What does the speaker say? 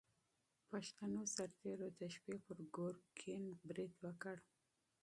پښتنو سرتېرو د شپې پر ګورګین برید وکړ.